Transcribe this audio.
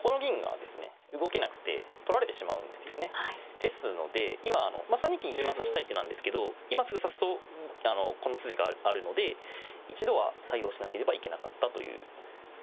ですので今３二金一番指したい手なんですけど今すぐ指すとこの筋があるので一度は対応しなければいけなかったということですね。